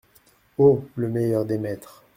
Oh ! le meilleur des maîtres !